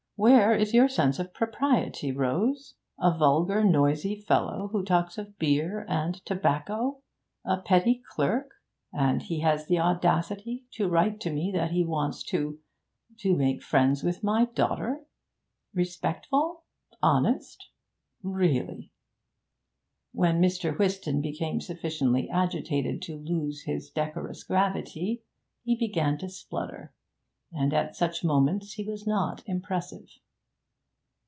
Where is your sense of propriety, Rose? A vulgar, noisy fellow, who talks of beer and tobacco a petty clerk! And he has the audacity to write to me that he wants to to make friends with my daughter! Respectful? Honest? Really!' When Mr. Whiston became sufficiently agitated to lose his decorous gravity, he began to splutter, and at such moments he was not impressive.